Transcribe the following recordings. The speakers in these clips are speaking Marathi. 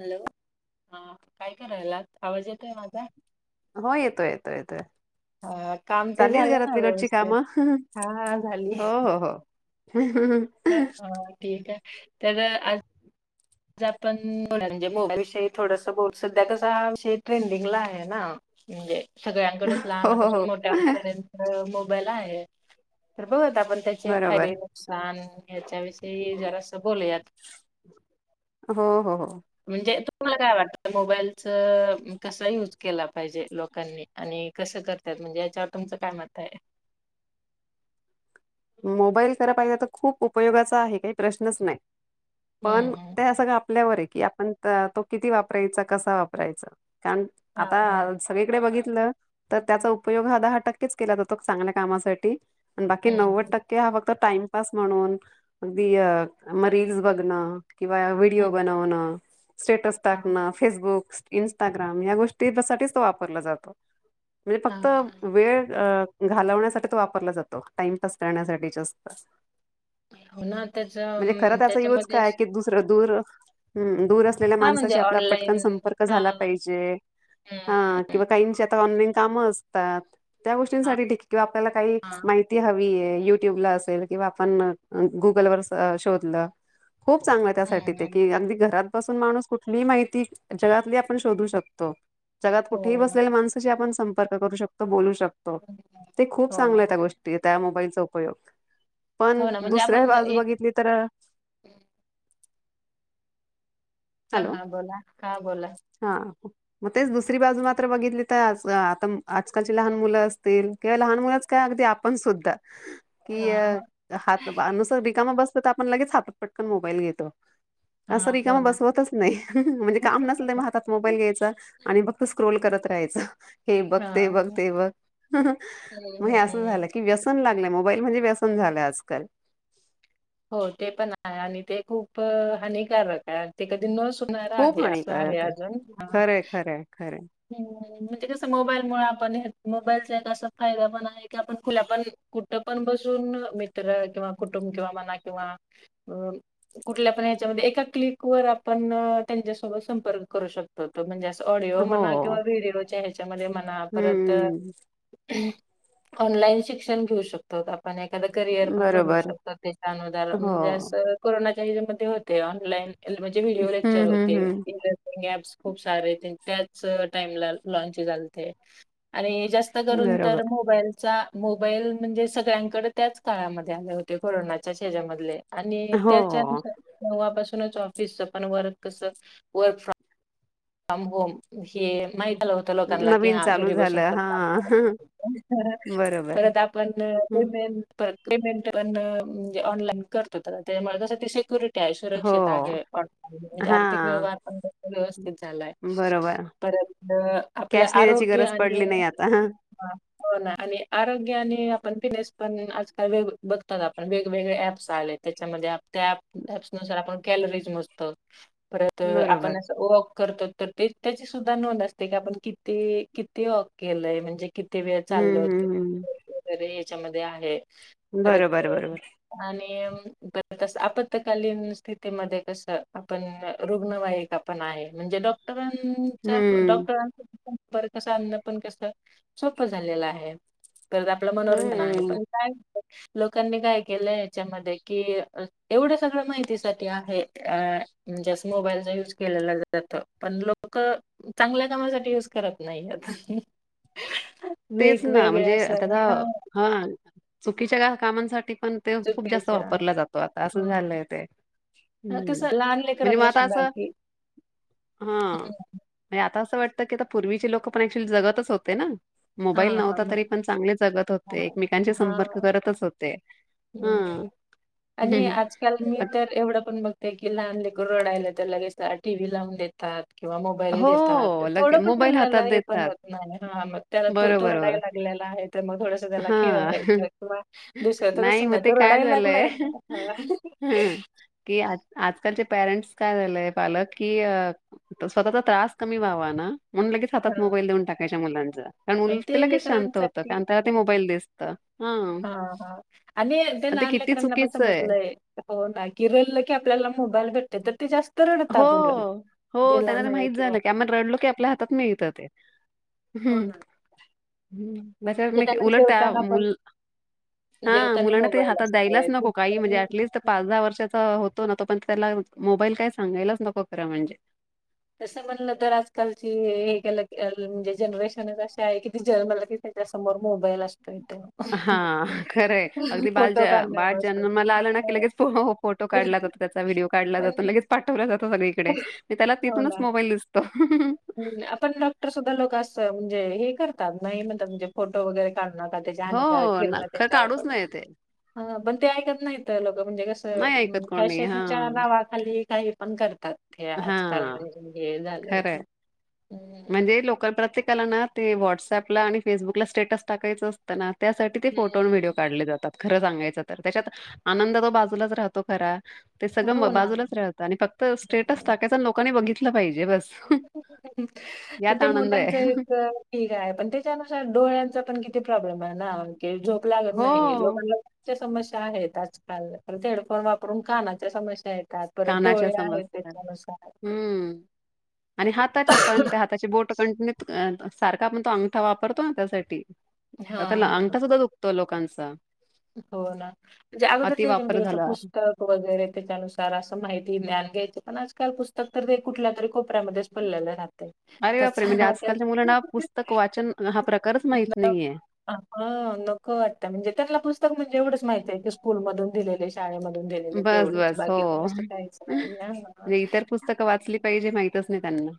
हॅलो हा. काय करायलात आवाज येतोय माझा. हो येतोय येतो येतोय हा काम ते चाली झालं ना घरातली रोजची व्यवस्थित कामं हा झाली हो हो हो. [unintelligible] त्याचा. आपण म्हणजे मोबाईल विषयी थोडस बोलु सध्या कस हा विषयी ट्रेंडिंगला आहे ना म्हणजे. सगळ्यांकडेच हो हो हो लहनापासून मोठ्यापर्यंत मग. भला आहे. हो ता आपण त्याचे फायदे बरोबर नुकसान हयाच्याविषयी जरास बोलूयात. हो-हो-हो म्हणजे, त तुमला काय वाटतं मोबाईलचं कसं यूज केला पाहिजे लोकांनी आणि कसं करम्हणजे याच्यावर तुमचं काय मत आहे. मोबाईल खरा पाहिजे त खूप उपयोगाचा आहे काही प्रश्नच नाही. पण हम्म त्या सगळा आप आपल्यावर आयकि आपण त तो किती वापरायचा कसा वापरायचा. कार आता हां हां सगळीकडे बघित ल, त त्याचा उपयोग हा दहा टक्केच केला जातो चांगल्या कामासाठी. अ. बाकी हम्म नव्वद ते हवं त टाइमपास म्हणून अगदी अ म रिल्स बघणं किंवा व्हडिओ हम्म बनवन. स्टेटस हां टाकन फेसबुक इन्स्टाग्राम या गोष्टी त्यासाठीच वापरलं जातो. म्हणजे फक्त हां वेळ अ घालवण्यासाठी तो वापरला जातो टाइमपास करण्यासाठी जास्त. हो ना त्याच म्हणजे खरं त्याचा युज त्याच्यामध्ये का? असं- की दुसरं दूर ह ह. दूर असलेल्या हा म्हणजे माणसाशी आपला पटकन ऑनलाईन संपर्क हा झाला पाहिजेच, ह हम्म किंवा काहींच्यात ऑनलाईन काम आसतात. त्या गोष्टीं साठी ठिक किंवा आपल्याला काही हा माहिती हवी कि ये यूट्यूबला असेल, किंवा आपण गुगल वर स- शोधल खूप चांगलं त्यासाठी ते, हम्म की अगदी घरात बसून माणूस कुठलीही माहिती, जगातली आपण शोधू शकतो. जगात कुठेही हो ना बसलेल्या माणसाची आपण संपर्क करू शकतो. बोलू शकतो. हम्म. - ते खूप हो ना चांगलं त्या गोष्टीत. त्या मोबाईलचा उपयोग पण हो ना म्हणजे दुसऱी आपण बाजू एक बघितली तर, - हा हा बोला का बोला हा मग तेच दुसरी बाजू मात्र बघितली तर, आ आता आजकालची लहान मुलं असतील, किंंवा, लहान मुलंच काय अगदी आपण सुद्धा की हा अ हात अनुसा रिकामा बस- तर आपण लगेच हातात, पटकन मोबाईल घेतो. हा हो ना. - जमतचं नाही, म्हणजे काम नसेल तेव्हा हातात मोबाईल घ्यायचा. आणि फक्त स्क्रोल करत राहायचं. - हे बघ, हा ते बघ, ते बघ, हम्म मग असं हम्म झालं की व्यसन लागलं. मोबाईल म्हणजे व्यसन झालं आजकाल. हो ते पण आहे. आणि ते खूप हानिकारक आहे. ते कधी न सुटणार खूप आहे, असं आहे. हानिकारक अजून खरंय खरंय खरंय म्हणजे कसं मोबाईल मुळे आपण हे मोबाइलचा एक असा फायदा पण आहे की आपण खुल्या पण कुठं पण बसून मित्र किंवा कुटुंब किंवा मना किंवा अ -कुठल्या पण ह्याच्यामध्ये एका क्लिक वर आपण त्यांच्यासोबत संपर्क करू शकतो. तो म्हणजे अस ऑडिओ हो म्हणत किंवा विडिओच्या ह्याच्यामध्ये म्हणा परत हम्म ऑनलाईन शिक्षण घेऊ शकतोत आपण एखाद करिअर पण घडू बरोबर शकतात त्याच्या अनुदार हो म्हणजे अस कोरोना [unintelligible] मध्ये होते ऑनलाईन. एल म्हणजे व्हिडिओ लेक्चर हम्म हम्म होते, हम्म लर्निंग ऍप्स. खूप सारे तेन त्याच टाईमला लॉन्च झालते, आणि जास्त करून बरोबर तर मोबाईलचा मोबाईल म्हणजे सगळ्यांकडे त्याच काळामध्ये आले होते, कोरोनाच्या हेज्या मधले. आणि हो त्याच्यानुसार तेव्हापासून म्हणूनच ऑफिस पण वर्क कस, वर्क फ्रॉम होम. हे माहित होत लोकां की नवीन हा चालू घरी बसून झालं पण हा काम [unintelligible] बरोबर परत आपण [unintelligible] हं. पेमेंट पण म्हणजे ऑनलाइन करत होत. त्यामुळेस तस सिक्युरिट रिटीयाय हो सुरक्षित आहे. [unintelligible] म्हणजे हा आर्थिक व्यवहार पण व्यवस्थित झालाय बरोबर परंत आपल्या कॅश नेण्याची आरोग्य गरज पडली आणि. नाही आता हा हो ना आणि आरोग्या आणि आपण फिटनेस पण आजकाल वेग बघतात आपण, वेगवेगळे ऍप्स आले त्याच्यामध्ये त्या ऍप्स नुसार आपण कॅलरीज मोजतो. परत बरोबर आपण असं करतो, तर ते त्याची सुद्धा नोंद असते, की आपण कि किती वॉक केलंय म्हणजे किती किती वेळ चाललो हम्म होतो हम्म हम्म वगैरे त्याच्यामध्ये आहे. बरोबर, बरोबर. तस आपकालीन स्थितीमध्ये कस आपण रुग्णवाहिक आपण आहे. म्हणजे डॉक्टर च हम्म डॉक्टर आण. र कस अन्न पण कस सोपं झालेलं आहे. करत आपलं मनोरंजन आहे हम्म पण काय? लोकांनी काय केलं याच्यामध्ये कि एवढं सगळं माहिती साठी आहे म्हणजे मोबाईलचा यूज केलेला पण लोक चांगल्या कामासाठी युज करत नाही आता. तेच ना म्हणजे त्याचा ह चुकीच्या कामांसाठी पण ते खूप जास्त चुकीच्या वापरला जातो आता असं हम्म. झालंय ते. हां, हम्म कसं लहान म्हणजे मग लेकरांना आता सुद्धा असं की हा हं, म्हणजे आता. असं वाटतं की आता पूर्वीची लोक पण ऍक्च्युली जगतच होते ना. मोबाईल हां, हां, नव्हता तरी मग पण चांगले जगत होते हां, एकमेकांचे संपर्क करतच होते. हां. ह् आणि आजकाल मी पण तर एवढं पण बघते. हिला आणले की रडायला येतं लगेच त्याला टी. व्ही लावून देतात. किंवा मोबाईल देतात हो लगे थोडं पण मोबाईल हातात झाललेला हे पण देतात. होत नाही ह मग त्याला त बरोबर तो रडाय बरोबर. लागलेला आहे तर मग थोडस त्याला हां. खेळवायचं किंवा दुसरं नाही तसं मग ते तो काय रडायला झालंय लागलाय ना हां, हं -हं की आजकालचे पॅरेंट्स काय झालंय, पालक की तर स्वतःचा त्रास कमी व्हावा ना. म्हणून लगेच हां, हातात मोबाईल देऊन टाकायच्या मुलांच्या कारण पण मुल ते लगेच शांत होतं कारण त्याला ते मोबाईल दिसतं. हां. हा हा आणि ते पण लहान किती लेकरांना पण चुकीचं आहे. समजलंय हो ना रडलं की आपल्याला मोबाईल भेटतेत. [inaudible] हो. हो. त्यांना ते नाही माहित किंवा झालं की आपण रडलो की आपल्या हातात मिळत ते. हो हम्म. ना. म्हणजे मी त्यांना उलट त्या जेवताना पण मुलांना हा जेवताना मुलांना ते मोबाईल हातात द्यायलाच असतोय. नको खूप काही म्हणजे जणी- ऍटलिस्ट पाच दहा वर्षाचा तो पण त्याला मोबाईल काय [unintelligible] सांगायलाच नको खरं म्हणजे तसं म्हणलं तर आजकालची जनरेशन आहे की कि त्याच्या समोर मोबाईल अस. [unintelligible] हा खरंय अगदी बाळ फोटो बाळ काढण्यापासून. जन्मला आला ना की लगेच फोटो अं, काढला जातो त्याचाव्हिडिओ काढला पण जातो लगेच पाठवला जातो घरी. मी त्याला तिथूनच मोबाईल दिसतो [unintelligible] हम आपण डॉक्टर सुद्धा लोक असं म्हणजे हे करत नाही म्हणता म्हणजे फोटो वगैरे का त्याच्या अिर हो ना, खरं त्याच्यावर काढूच पड नाही ते. बण [unintelligible] ते ऐकत नाही मुल. म्हणजे नाही कसं ऐकत कोणी. फॅशनच्या हां, नावाखाली काही पण ते आजकाल हां. म्हणजे झालंय. खरं आहे. हम्म म्हणजे, लोक प्रत्येकाला ना ते व्हॉट्सअपला आणि फेसबुकला स्टेटस टाकायचं असतं ना.? त्यासाठी ते फोटो आणि हम्म व्हिडिओ काढले जातात. खरं सांगायचं तर त्याच्यात आनंद तो बाजूलाच राहतो खरा. ते हो सगळं ना. बाजूलाच राहतं आणि फक्त स्टेटस टाकायचं आणि लोकांनी बघितलं पाहिजे बस [unintelligible] [inaudible] तर यात ते आनंद मोठ्यांच आहे एक पिघा आहे पण त्याच्यानुसार डोळ्यांचं पण किती ते प्रॉब्लेम आहे ना की झोप लागत नाही हो लोकांना च्या समस्या आहेतच परत हेडफोन वापरून कानाच्या समस्या आहेत त्यात परत कानाच्या डोळे आहेत समस्या तेच्यानुसार हम्म आणि हाताच्या पण त्या हाताची बोट [unintelligible] सारखा आपण तो अंगठा वापरतो ना त्यासाठी हा आता अंगठा सुद्धा दुखतो लोकांचा चा हो ना म्हणजे आगोदर जे वापर दिवस झाला पुस्तक वगैरे तेच्यानुसार आस माहिती ज्ञान घ्यायची पण आजकाल पुस्तक तर ते कुठल्या तरी कोपऱ्यामध्येच पडलेलं राहत तय अरे बापरे! म्हणजे आजकालच्या मुलांना पुस्तक वाचन हा प्रकारच माहीत [unintelligible] नाहीये. आगं नको वाटत म्हणजे त्याला पु जेवढंच माहितय की स्कूल मधून दिलेले शाळेमध्ये बस बस हो नाही. हां. इतर पुस्तकं वाचली पाहिजे माहितच नाही त्यांना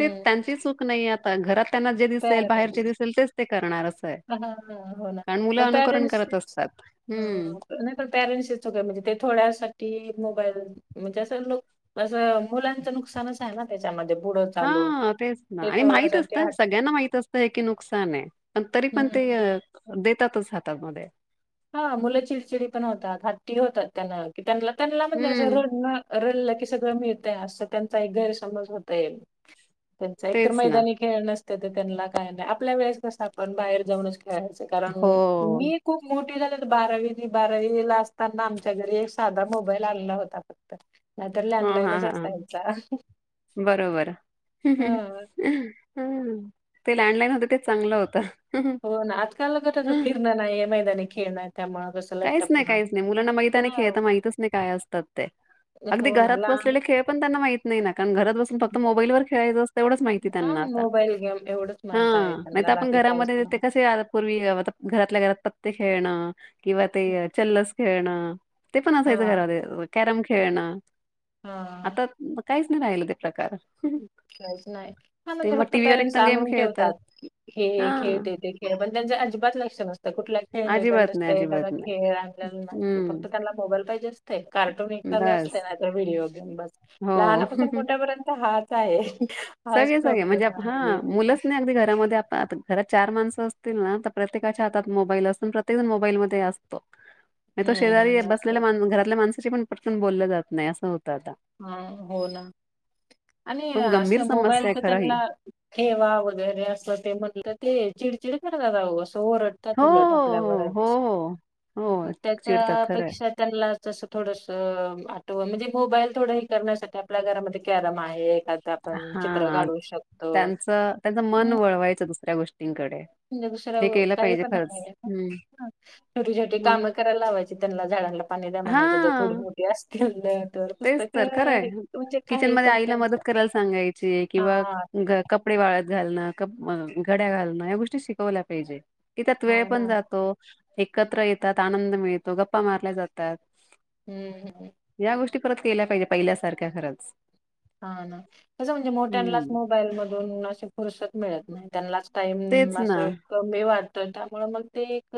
ते त्यांची चूक नाही आ घरात त्यांना जे दिसेल बाहेरचे पॅरेंट्स दिसेल तेच ते करणार असय हां, हां. हो ना. कारण मुलं तर अनुकरण करत पॅरेंट्सचीच असतात हम् हं. नाही पण पॅरेंट्सची चूक आहे म्हणजे ते थोड्यासाठी मोबाईल म्हणजे असं लोक असं मुलांचं नुकसानच आहे ना त्याच्यामध्ये पुढं चालून. हा तेच ना ते आणि माहित थोड्यासाठी असत हट सगळ ना माहित असतय की नुकसान ये पण तरी हं, पण ते देतातच हातामध्ये हा मुलं चिडचिडी पण होतात हाट्टी होतात त्यांना कि त्यांनला त्यांनला म्हणजे असं हं, रडन रड सगळं मिळतय आसं त्यांचा एक गैरसमज होताय त्यांचा एक तर तेच ना. मैदानी खेळण त्यांना काय नाही आपल्या वेळेस कसं आपण बाहेर जाऊनच खेळायच कारण हो. मी खूप सुट्टी झाल्या नंतर बारावी बारावी ला असताना आमच्या घरी एक साधा मोबाईल आणला होता फक्त नाहीतर हा, हा, लँडलाईनच हा असायचा बरोबर हा हम् ते लँडलाईन होतं तेच चांगलं होतं. हो ना आजकाल कुठं तर फिरणं नाही [unintelligible] नाही खेळला काहीच नाही काहीच नाही मुलांना माहित नाही हा खेळत माहितच नाही काय असतात ते अगदी हो ना घरात लहान बसलेले खेळ पण त्यांना माहित नाही ना कारण घरात बसून फक्त मोबाईल वर खेळायचं असत तेवढंच माहिती हा त्यांना आता मोबाईल गेम एवढंच हा माहित आहे नाही तर त्यांना आपण बाकी काहीच घरामध्ये नाही कसे पूर्वी घरातल्या घरात ते खेळण किंवा ते चलस खेळणं ते पण असायचं हा घरा कॅरम खेळ ना हा काहीच नाही राहिलं ते प्रकार काहीच नाही हा ते म्हणजे मग फक्त टीव्हीवर एक पॅरेंट्स तर गेम आणून खेळतात. ठेवतात हे हां, खेळते ते खेळ पण त्यांच अजिबात लक्ष नसतं कुठला खेळणेण अजिबात नाही, एखादा अजिबात नाही. खेळ आणला नाहीे हं. फक्त त्यांना मोबाईल पाहिजे असत कार्टून एक चालू असते बस. नाही तर व्हिडिओ गेम बस हो. लहानापासून मोठ्यापर्यंत हाच आहे हाच सगळे सगळे म्हणजे प्रॉब्लेम हा आहे मुलंच नाही अगदी घरामध्ये आता घरात चार माणसं असतील ना तर प्रत्येकाच्या हातात मोबाईल असून प्रत्येक जण मोबाईलमध्ये असतो मी तो हम्म शेजारी हम्म बसलेला असतात मा घरातल्या माणस पटकन बोललं जात नाहीत हा हो ना आणि खूप गंभीर असं समस्या आहे मोबाईलच खरं ही. त्यांना हेवा वगैरे अस ते म्हणले ते. [unintelligible] हो, ओरडतात उलट हो, आपल्यावरच, हो, हो, हो. चिडतात खरं आहे. त्याच्यापेक्षा त्यांना. तसं थोडस आठ म्हणजे मोबाईल. थोडंही करण्यासाठी आपल्या घरामध्ये कॅरम आहे. एखादा आपण चित्र हा काढू शकतो त्यांचं त्यांचं मन हम्म, वळवायचं दुसऱ्या गोष्टींनकडे. म्हणजे दुसऱ काही पण छोटी-छोटी मग कामं करायला लावायची त्यांना झाडांना पाणी द्या म्हनायचे जर हां. थोडी-मोठी असतील [unintelligible] तेच तर खरंय, म्हणजे किचन काही मध्ये पण आईला त्यांच मदत करायला सांगायची, हा किंवा ते- कपडे वाळात. घालणं, क घड्या घालणं, या गोष्टी शिकवल्या पाहिजे. की त्यात वेळ हा ना पण जातो. एकत्र येतात आनंद मिळतो, गप्पा मारल्या जातात. ह हम. ते परत केल्या पाहिजे, पहिल्या सारख्या खरंच. हा ना कसं म्हणजे, मोठ्यांनाच हम्म मोबाईल मधून अशी फुरसत मिळत नाही त्यांनाच तेच [unintelligible] ना असं कमी वाट तर त्यामुळे मग ते एक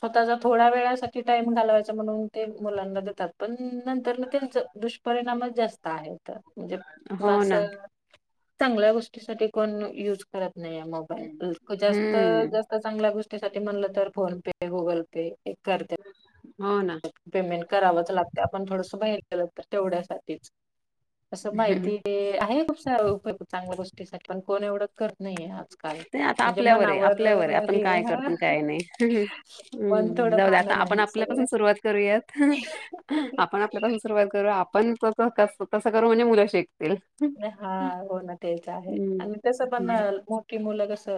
स्वतःचा थोड्या वेळासाठी टाइम घालवायचा म्हणून, ते मुलांना देतात पण नंतर मग ते दुष्परिणामच जास्त आहेत. तर म्हणजे हो ना. माणसं चांगल्या गोष्टीसाठी कोण युज करत नाही मोबाईल लोक जास्त हम्म जास्त चांगल्या गोष्टी त्यासाठी म्हणलं तर फोन पे, गुगल पे करते हो ना. पेमेंट करावंच लागते, आपण थोडस बाहिर गेल तर तेवढ्या साठीच. असं हम्म माहिती आहे, खूप उपयोग चांगल्या गोष्टीसाठी पण. कोण एवढं कर ते आता आपल्यावर आहे, आपल्यावर आहे, अ, आपण हे काय हा करतो काय नाही, मन हेम् थोडं जाऊ दे, मान आता आपण नाही आपल्यापासून सगळं सुरुवात करूयात, आपण आपल्यापासून सुरुवात करू आपण कस तस करू म्हणजे मुल अशी एक हा हो ना, तेच आहे, आणि तस पण हम्म. मोठी मुलं. कस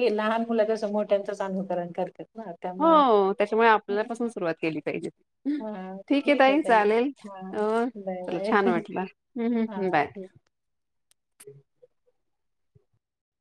हे लहान मुलं कस मोठ्यांचं अनुकरण करतात. ना त्यामुळं हो त्याच्यामुळे आपल्याला पाासून सुरुवात केली पाहिजे ठीक आहे ताई चालेल, बाय चला बाय छान वाटलं. हम्म. हा हम्, ह् बाय. ठीक